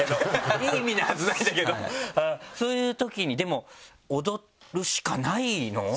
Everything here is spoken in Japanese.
いい意味なはずなんだけどそういうときにでも踊るしかないの？